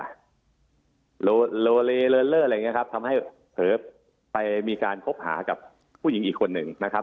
อะไรอย่างเงี้ยครับทำให้เผลอไปมีการพบหากับผู้หญิงอีกคนหนึ่งนะครับ